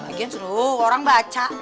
lagi yang seluruh orang baca